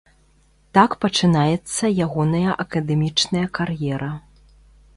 Так пачынаецца ягоная акадэмічная кар'ера.